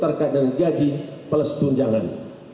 terkait dari gaji plus tunjangan